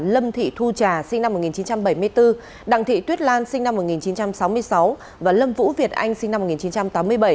lâm thị thu trà sinh năm một nghìn chín trăm bảy mươi bốn đặng thị tuyết lan sinh năm một nghìn chín trăm sáu mươi sáu và lâm vũ việt anh sinh năm một nghìn chín trăm tám mươi bảy